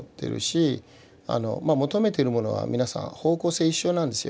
求めてるものは皆さん方向性一緒なんですよ。